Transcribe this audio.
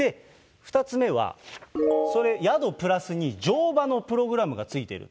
２つ目は、それ、宿プラスに乗馬のプログラムが付いている。